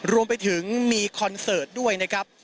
รวมไปถึงมีคอนเสิร์ตด้วยนะครับ